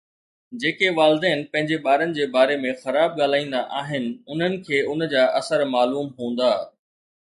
جيڪي والدين پنهنجي ٻارن جي باري ۾ خراب ڳالهائيندا آهن انهن کي ان جا اثر معلوم هوندا